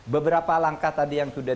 beberapa langkah tadi yang sudah